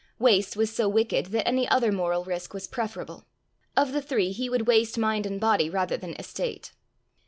Waste was so wicked that any other moral risk was preferable. Of the three, he would waste mind and body rather than estate.